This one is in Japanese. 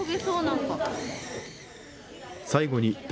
最後に、だ